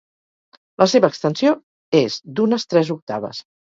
La seva extensió és d'unes tres octaves.